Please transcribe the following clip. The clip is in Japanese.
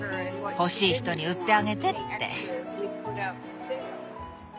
「欲しい人に売ってあげて」って。